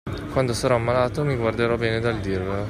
Quando sarò ammalato, mi guarderò bene dal dirvelo!